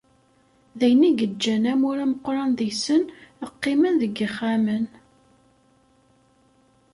D ayen i yeǧǧan amur ameqqran deg-sen qqimen deg yixxamen.